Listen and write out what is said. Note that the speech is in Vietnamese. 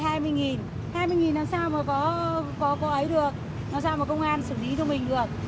hai mươi làm sao mà có ấy được làm sao mà công an xử lý cho mình được